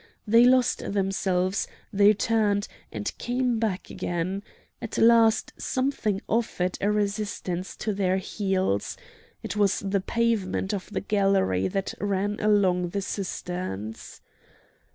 They lost themselves; they turned, and came back again. At last something offered a resistance to their heels. It was the pavement of the gallery that ran along the cisterns.